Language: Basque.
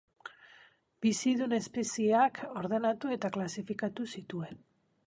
Bizidun espezieak ordenatu eta klasifikatu zituen.